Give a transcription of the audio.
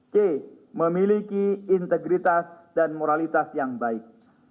c memiliki integritas dan moralitas yang baik